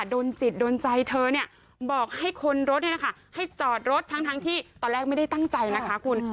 โดนจิตโดนใจเธอเนี่ยบอกให้คนรถเนี่ยนะคะให้จอดรถทั้งที่ตอนแรกไม่ได้ตั้งใจนะคะคุณ